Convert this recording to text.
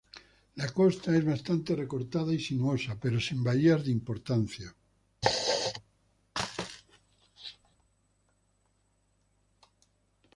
La costa es bastante recortada y sinuosa pero sin bahías de importancia.